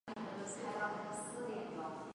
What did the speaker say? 坚硬野芝麻为唇形科野芝麻属下的一个变种。